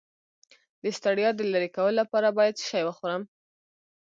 د ستړیا د لرې کولو لپاره باید څه شی وخورم؟